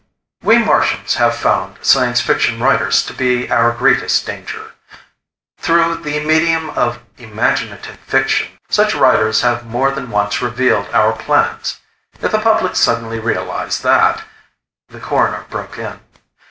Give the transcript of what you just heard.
"We Martians have found science fiction writers to be our greatest danger. Through the medium of imaginative fiction, such writers have more than once revealed our plans. If the public suddenly realized that "The Coroner broke in.